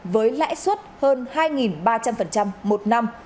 với lãi suất hơn hai ba trăm linh một năm